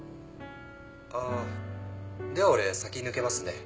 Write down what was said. あっでは俺先に抜けますんで。